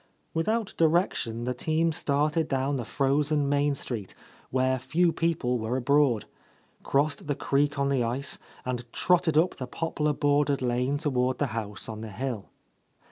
Without direction the team started down the frozen main street, where few people were abroad, crossed the creek on the ice, and trotted up the poplar bordered lane toward the house on the hill.